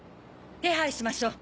手配しましょう！